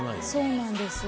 そうなんです。